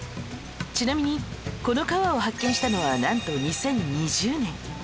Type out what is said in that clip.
ちなみにこの川を発見したのはなんと２０２０年